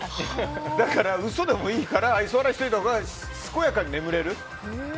だから、嘘でもいいから愛想笑いしてもらえたほうが健やかに眠れる。